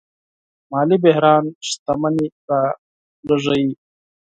مالي بحران شتمني راکموي.